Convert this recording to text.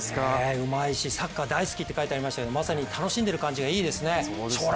うまいし、サッカー大好きって書いてありましたしまさに楽しんでいる感じがいいですね。